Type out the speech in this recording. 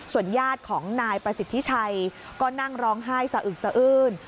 ญาติของนายประสิทธิชัยก็นั่งร้องไห้สะอึกสะอื้น